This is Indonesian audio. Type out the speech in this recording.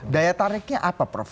daya tariknya apa prof